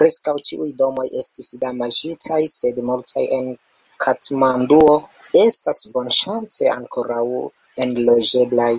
Preskaŭ ĉiuj domoj estis damaĝitaj, sed multaj en Katmanduo estas bonŝance ankoraŭ enloĝeblaj.